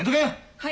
・はい。